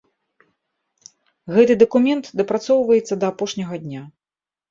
Гэты дакумент дапрацоўваецца да апошняга дня.